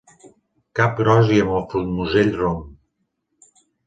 Cap gros i amb el musell rom.